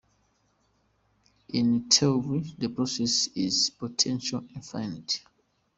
In theory, the process is potentially infinite.